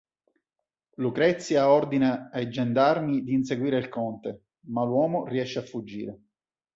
Lucrezia ordina ai gendarmi di inseguire il conte, ma l'uomo riesce a fuggire.